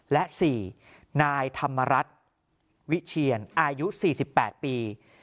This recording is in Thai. และ๔นายธรรมรัฐวิเชียนอายุ๔๘ปี